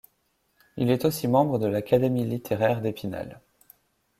Il est aussi membre de l’académie littéraire d’Épinal.